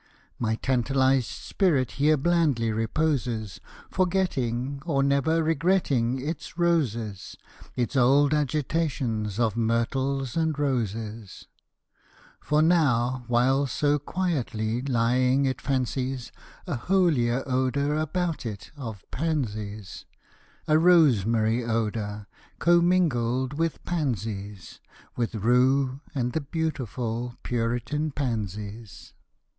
My tantalized spirit Here blandly reposes. Forgetting, or never Regretting its roses Its old agitations Of myrtles and roses; For now, while so quietly Lying, it fancies A holier odour About it, of pansies A rosemary odour, Commingled with pansies With rue and the beautiful Puritan pansies.